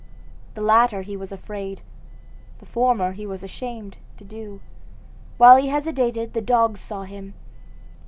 The latter he was afraid, the former he was ashamed, to do. While he hesitated the dogs saw him.